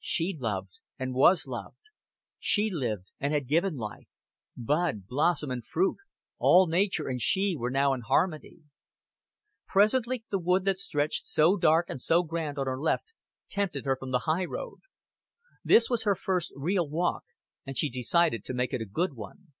She loved, and was loved; she lived, and had given life bud, blossom, and fruit, all nature and she were now in harmony. Presently the wood that stretched so dark and so grand on her left tempted her from the highroad. This was her first real walk, and she decided to make it a good one.